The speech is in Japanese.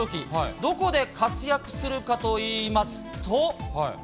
どこで活躍するかといいますと。